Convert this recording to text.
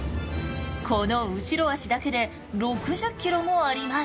この後ろ足だけで６０ｋｇもあります。